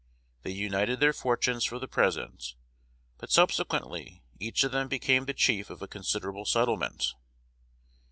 They united their fortunes for the present, but subsequently each of them became the chief of a considerable settlement.